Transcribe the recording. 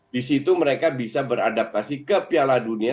di situ mereka bisa beradaptasi ke piala dunia